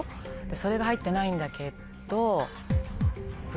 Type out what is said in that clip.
それが入ってないんだけど。